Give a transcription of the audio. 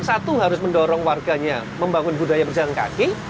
satu harus mendorong warganya membangun budaya berjalan kaki